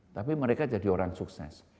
tapi mereka jadi orang sukses